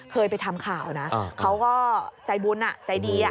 เคยไปทำข่าวนะเขาก็ใจบุญใจดี